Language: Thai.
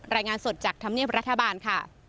รายงานสดจากธรรมเนียบรัฐบาลค่ะ